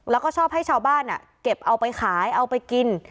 แล้วก็ชอบให้ชาวบ้านเก็บเอาไปขายเอาไปกิน